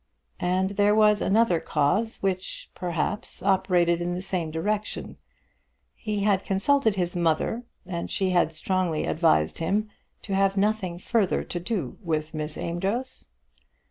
And there was another cause which, perhaps, operated in the same direction. He had consulted his mother, and she had strongly advised him to have nothing further to do with Miss Amedroz.